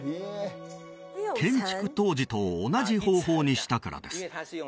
建築当時と同じ方法にしたからです